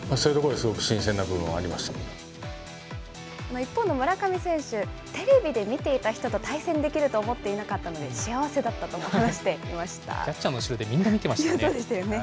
一方の村上選手、テレビで見ていた人と対戦できると思っていなかったので、幸せだキャッチャーの後ろでみんなそうでしたよね。